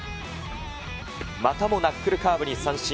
またもナックルカーブに三振。